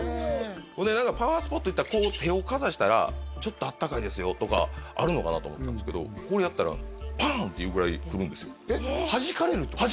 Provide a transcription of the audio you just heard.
ほんでパワースポットいったらこう手をかざしたら「ちょっとあったかいですよ」とかあるのかなと思ったんですけどここでやったらパン！っていうぐらいくるんですよえっはじかれるってこと？